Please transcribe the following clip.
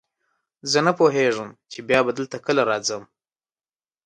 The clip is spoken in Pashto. زه نه پوهېږم چې بیا به دلته کله راځم.